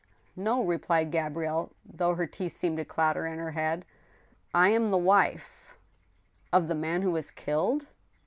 " No," replied Gabrielle, though her teeth seemed to clatter in her head. " I am the wife— "" Of the man who was killed